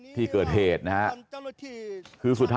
ชาวบ้านในพื้นที่บอกว่าปกติผู้ตายเขาก็อยู่กับสามีแล้วก็ลูกสองคนนะฮะ